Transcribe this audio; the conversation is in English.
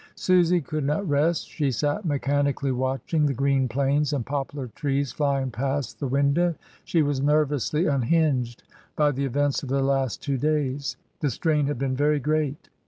Susy could not rest; she sat mechanically watching the green plains and poplar trees flying past the window. She was nervously unhinged by the events of the last two days; the strain had been very great.